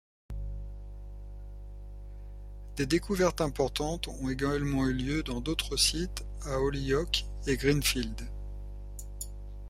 Des découvertes importantes ont également eu lieu dans d'autres sites à Holyoke et Greenfield.